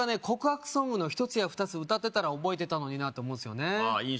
告白ソングの１つや２つ歌ってたら覚えてたのになと思うんですよねああ